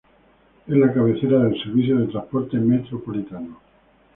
Es la cabecera del servicio de Transporte metropolitano.